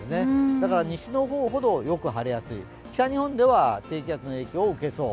だから西の方ほどよく晴れやすい、北日本では低気圧の影響を受けそう。